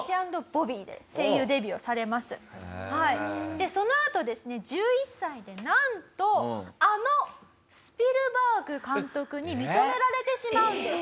でそのあとですね１１歳でなんとあのスピルバーグ監督に認められてしまうんです。